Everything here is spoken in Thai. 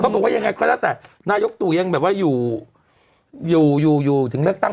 บอกว่ายังไงก็แล้วแต่นายกตู่ยังแบบว่าอยู่อยู่ถึงเลือกตั้ง